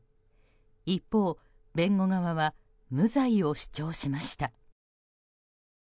一方、弁護側は無罪を主張しました。